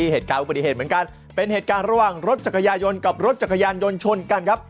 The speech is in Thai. เหตุการณ์อุบัติเหตุเหมือนกันเป็นเหตุการณ์ระหว่างรถจักรยายนกับรถจักรยานยนต์ชนกันครับ